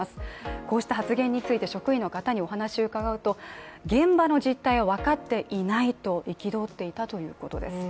こうした発言について職員の方にお話を伺うと現場の実態を分かっていないと憤っていたということです。